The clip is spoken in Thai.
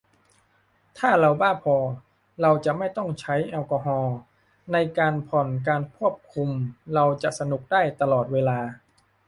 ถ้าเราบ้าพอ เราจะไม่ต้องใช้แอลกอฮอล์ในการผ่อนการควบคุม เราจะสนุกได้ตลอดเวลา